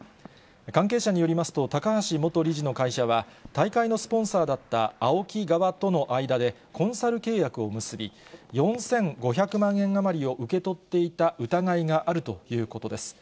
関係者によりますと、高橋元理事の会社は、大会のスポンサーだったＡＯＫＩ側との間でコンサル契約を結び、４５００万円余りを受け取っていた疑いがあるということです。